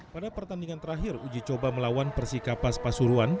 pada pertandingan terakhir uji coba melawan persikapas pasuruan